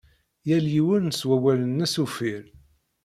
Yal yiwen s wawal-nnes uffir.